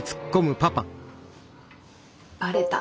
バレた？